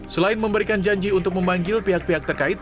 selain memberikan janji untuk memanggil pihak pihak terkait